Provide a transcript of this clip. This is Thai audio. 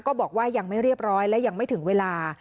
ก็บอกว่ายังไม่เรียบร้อยและยังไม่ถึงเวลา